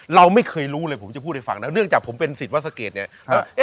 เราไม่เคยรู้เลยผมจะพูดให้ฟังนะเนื่องจากผมเป็นสิทธิวัสเกตเนี่ย